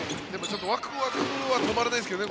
ワクワクは止まらないですけどね。